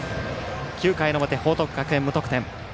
９回の表、報徳学園、無得点。